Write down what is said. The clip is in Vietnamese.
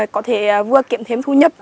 có thể vừa kiếm thêm thu nhập